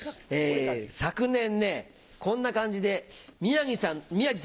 昨年ねこんな感じで宮治さんのね